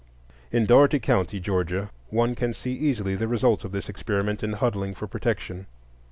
In Dougherty County, Georgia, one can see easily the results of this experiment in huddling for protection.